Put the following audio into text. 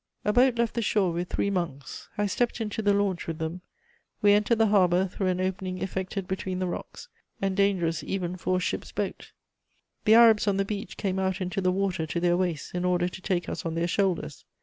"A boat left the shore with three monks. I stepped into the launch with them; we entered the harbour through an opening effected between the rocks, and dangerous even for a ship's boat. "The Arabs on the beach came out into the water to their waists, in order to take us on their shoulders.